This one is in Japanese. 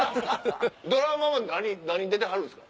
ドラマは何に出てはるんですか？